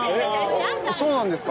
そうなんですか？